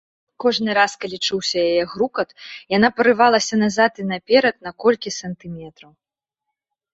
Кожны раз, калі чуўся яе грукат, яна парывалася назад і наперад на колькі сантыметраў.